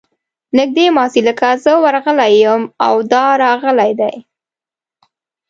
نږدې ماضي لکه زه ورغلی یم او دا راغلې ده.